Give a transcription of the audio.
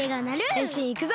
へんしんいくぞ！